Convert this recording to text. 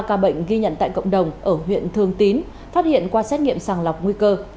ba ca bệnh ghi nhận tại cộng đồng ở huyện thường tín phát hiện qua xét nghiệm sàng lọc nguy cơ